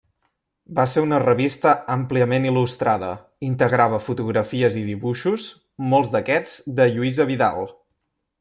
Va ser una revista àmpliament il·lustrada; integrava fotografies i dibuixos, molts d'aquests de Lluïsa Vidal.